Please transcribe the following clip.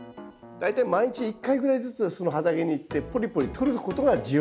大体毎日１回ぐらいずつその畑に行ってポリポリ取ることが重要だと思います。